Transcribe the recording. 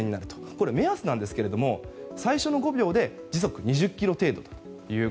これ、目安なんですけれども最初の５秒で時速２０キロ程度と。